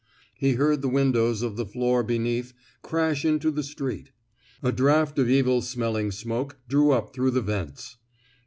He heard the windows of the floor beneath crash into the street. A draught of evil smelling smoke drew up through the vents.